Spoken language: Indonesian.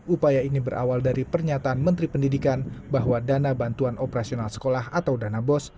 upaya ini berawal dari pernyataan menteri pendidikan bahwa dana bantuan operasional sekolah atau dana bos